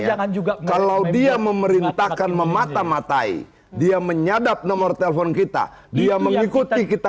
ya juga kalau dia memerintahkan memata matai dia menyadap nomor telepon kita dia mengikuti kita